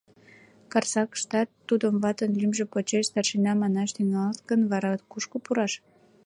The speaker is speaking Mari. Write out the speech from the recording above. Карсакыштат тудым ватын лӱмжӧ почеш «старшина» манаш тӱҥалыт гын, вара кушко пураш?